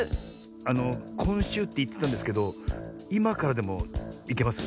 あのこんしゅうっていってたんですけどいまからでもいけます？